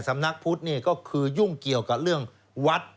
สำนักพุทธนี่ก็คือยุ่งเกี่ยวกับเรื่องวัด